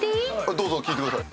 どうぞ聞いてください。